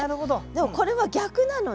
でもこれは逆なのね。